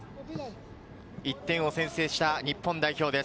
１点を先制した、日本代表です。